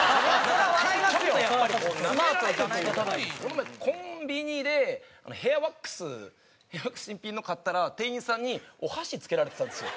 この前コンビニでヘアワックス新品の買ったら店員さんにお箸付けられてたんですよ。